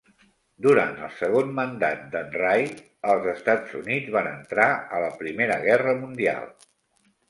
Durant el segon mandat de"n Rye, els Estats Units van entrar a la Primera Guerra Mundial.